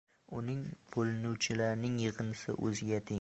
Uning bo‘linuvchilarining yig‘indisi o‘ziga teng.